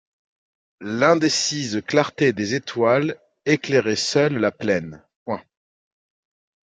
L’indécise clarté des étoiles éclairait seule la plaine.